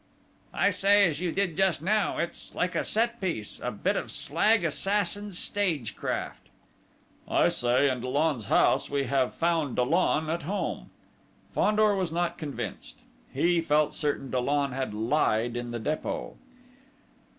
"I say, as you did just now: it's like a set piece a bit of slag assassins' stage craft." "I say, in Dollon's house, we have found Dollon at home!" Fandor was not convinced. He felt certain Dollon had lied in the Dépôt.